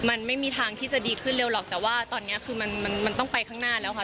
มันไม่มีทางที่จะดีขึ้นเร็วหรอกแต่ว่าตอนนี้คือมันมันต้องไปข้างหน้าแล้วค่ะ